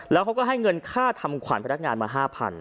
แล้วเขาก็ให้เงินค่าทำขวัญพนักงานมา๕๐๐๐